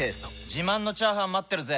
自慢のチャーハン待ってるぜ！